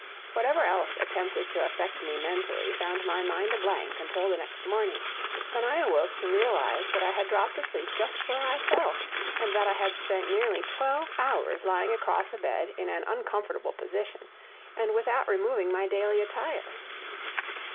Whatever else attempted to affect me mentally found my mind a blank until the next morning, when I awoke to realize that I had dropped asleep just where I fell, and that I had spent nearly twelve hours lying across a bed in an uncomfortable position, and without removing my daily attire.